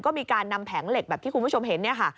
ก็มีการนำแผงเหล็กแบบที่คุณผู้ชมเห็น